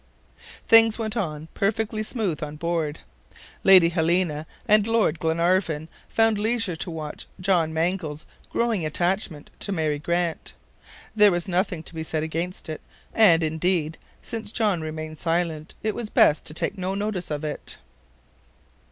Things went on perfectly smoothly on board. Lady Helena and Lord Glenarvan found leisure to watch John Mangles' growing attachment to Mary Grant. There was nothing to be said against it, and, indeed, since John remained silent, it was best to take no notice of it.